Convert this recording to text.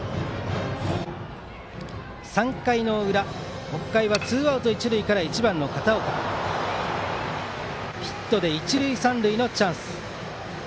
３回の裏、北海はツーアウト一塁から１番の片岡のヒットで一塁三塁のチャンス。